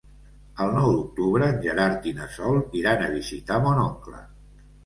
El nou d'octubre en Gerard i na Sol iran a visitar mon oncle.